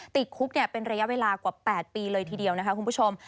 ติดคุกเป็นระยะเวลากว่า๘ปีเลยทีเดียวนะคะคุณผู้ชม